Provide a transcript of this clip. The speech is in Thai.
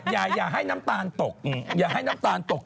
อย่าให้น้ำตาลตกอย่าให้น้ำตาลตก